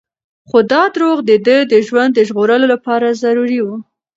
خو دا دروغ د ده د ژوند د ژغورلو لپاره ضروري وو.